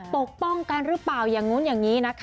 ป้องกันหรือเปล่าอย่างนู้นอย่างนี้นะคะ